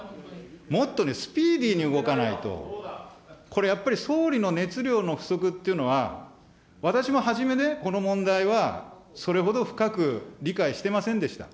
もっとスピーディーに動かないと、これやっぱり、総理の熱量の不足というのは私もはじめね、この問題は、それほど深く理解してませんでした。